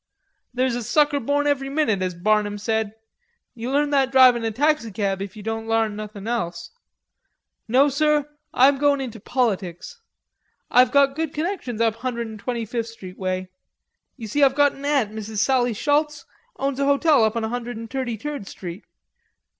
"There's a sucker born every minute, as Barnum said. You learn that drivin' a taxicab, if ye don't larn nothin' else.... No, sir, I'm goin' into politics. I've got good connections up Hundred and Twenty fif' street way.... You see, I've got an aunt, Mrs. Sallie Schultz, owns a hotel on a Hundred and Tirty tird street.